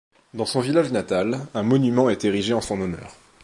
Dans son village natal, un monument est érigé en son honneur.